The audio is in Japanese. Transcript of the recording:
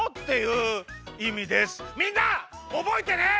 みんなおぼえてね！